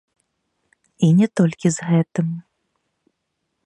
І не толькі з гэтым.